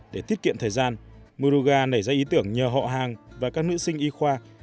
để tiết kiệm thời gian muga nảy ra ý tưởng nhờ họ hàng và các nữ sinh y khoa